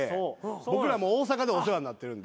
僕らも大阪でお世話になってるんで。